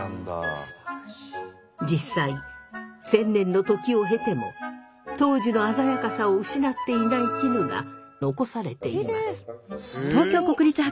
実際１，０００年の時を経ても当時の鮮やかさを失っていない絹が残されています。